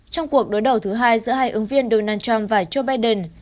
trong cuộc đối đầu thứ hai giữa hai ứng viên donald trump và joe biden